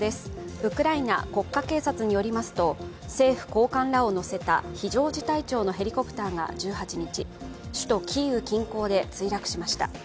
ウクライナ国家警察によりますと、政府高官らを乗せた非常事態庁のヘリコプターが１８日、首都キーウ近郊で墜落しました。